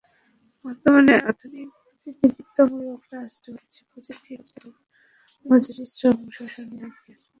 বর্তমানে আধুনিক প্রতিনিধিত্বমূলক রাষ্ট্র হচ্ছে পুঁজি কর্তৃক মজুরি শ্রম শোষণের হাতিয়ার।